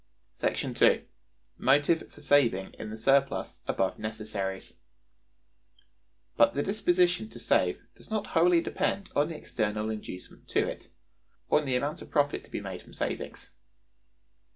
§ 2. Motive for Saving in the Surplus above Necessaries. But the disposition to save does not wholly depend on the external inducement to it; on the amount of profit to be made from savings.